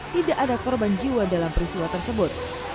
tidak ada korban jiwa dalam peristiwa tersebut